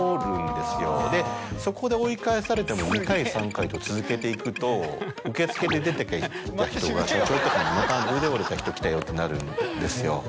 そこで追い返されても２回３回と続けていくと受付で出てきた人が社長とかに「また腕折れた人来たよ」ってなるんですよ。